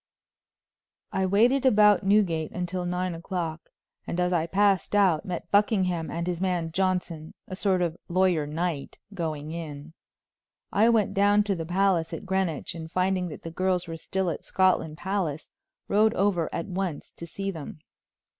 I waited about Newgate until nine o'clock, and as I passed out met Buckingham and his man Johnson, a sort of lawyer knight, going in. I went down to the palace at Greenwich, and finding that the girls were still at Scotland Palace, rode over at once to see them.